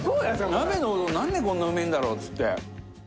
鍋のうどんなんでこんなうめえんだろう？っつって。